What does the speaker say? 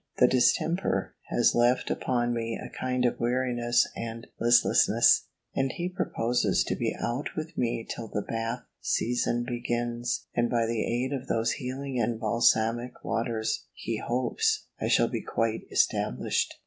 The distemper has left upon me a kind of weariness and listlessness; and he proposes to be out with me till the Bath season begins; and by the aid of those healing and balsamic waters, he hopes, I shall be quite established.